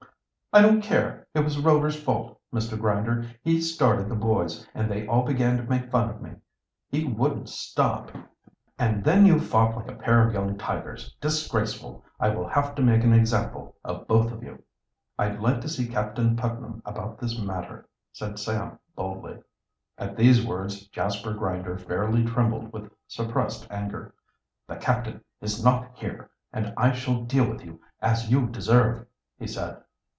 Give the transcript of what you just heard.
"I don't care. It was Rover's fault, Mr. Grinder. He started the boys, and they all began to make fun of me. He wouldn't stop " "And then you fought like a pair of young tigers. Disgraceful! I will have to make an example of both of you." "I'd like to see Captain Putnam about the matter," said Sam boldly. At these words Jasper Grinder fairly trembled with suppressed anger. "The captain is not here, and I shall deal with you as you deserve," he said.